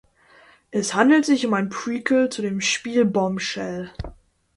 Es handelt sich um ein Prequel zu dem Spiel Bombshell.